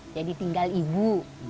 jadi tinggal ibu